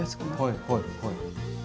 はいはいはい。